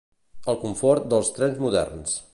El confort dels trens moderns.